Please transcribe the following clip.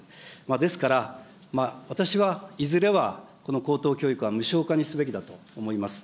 ですから、私は、いずれはこの高等教育は無償化にすべきだと思います。